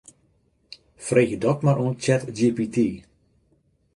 Freegje dat mar oan Chatgpt.